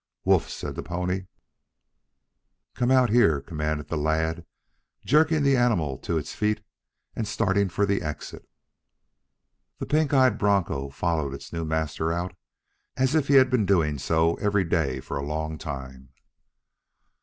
"Woof!" said the pony. "Come out of here!" commanded the lad, jerking the animal to its feet and starting for the exit. The pink eyed broncho followed its new master out as if he had been doing so every day for a long time.